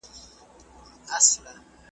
د مرګ تر ورځي دغه داستان دی .